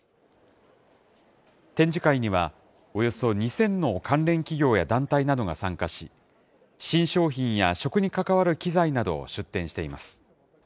展示会には、およそ２０００の関連企業や団体などが参加し、新商品や食に関わる機材などを出展しています。